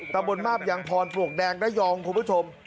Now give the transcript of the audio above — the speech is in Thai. ตะบนมาบยังพรปลวกแดงระยองคุณผู้ชม